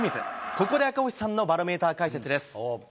ここで赤星さんのバロメーター解説です。